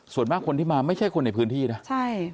ส่วนมากคนที่มาไม่ใช่คนในพื้นที่นะใช่